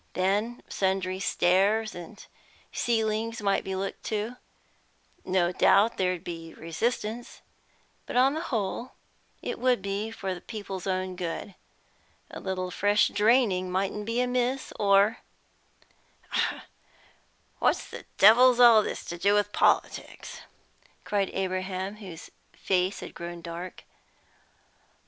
Then sundry stairs and ceilings might be looked to. No doubt there'd be resistance, but on the whole it would be for the people's own good. A little fresh draining mightn't be amiss, or " "What the devil's all this to do with politics?" cried Abraham, whose face had grown dark.